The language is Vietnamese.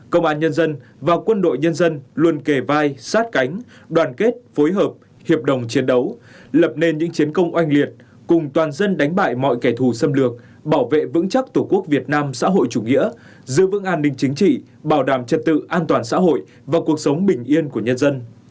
công an nhân dân và quân đội nhân dân luôn kề vai sát cánh đoàn kết phối hợp hiệp đồng chiến đấu lập nên những chiến công oanh liệt cùng toàn dân đánh bại mọi kẻ thù xâm lược bảo vệ vững chắc tổ quốc việt nam xã hội chủ nghĩa giữ vững an ninh chính trị bảo đảm trật tự an toàn xã hội và cuộc sống bình yên của nhân dân